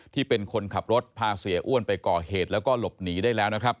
ที่เป็นคนขับรถพาเสียอ้วนไปก่อเหตุแล้วก็หลบหนีได้แล้วนะครับ